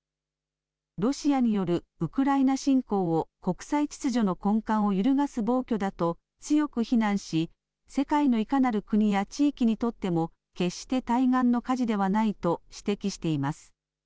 ロシアによるウクライナ侵攻を国際秩序の根幹を揺るがす暴挙だと強く非難し世界のいかなる国や地域にとっても決して対岸の火事ではないと指摘しています。